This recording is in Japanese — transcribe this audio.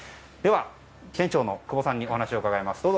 では、店長の久保さんにお話を伺います。